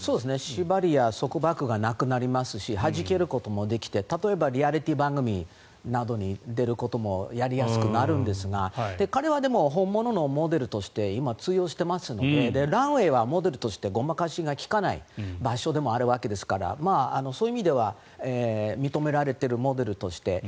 縛りや束縛がなくなりますしはじけることもできて例えばリアリティー番組などに出ることもやりやすくなるんですが彼は、でも本物のモデルとして今、通用していますのでランウェーはモデルとしてごまかしが利かない場所でもあるわけですからそういう意味では認められているモデルとして。